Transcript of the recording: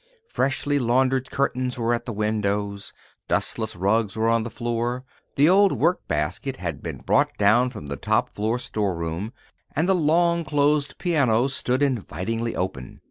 Freshly laundered curtains were at the windows, dustless rugs were on the floor. The old work basket had been brought down from the top floor storeroom, and the long closed piano stood invitingly open.